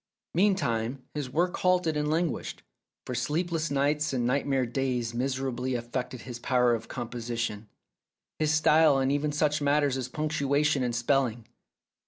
Meantime his work halted and languished, for sleepless nights and nightmare days miserably affected his power of composition, his style and even such matters as punctuation and spelling.